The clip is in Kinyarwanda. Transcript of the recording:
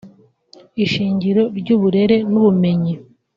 ishingiro ry’Uburere n’Ubumenyi